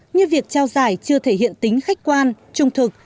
như việc trao giải chưa thể hiện tính khách quan trung thực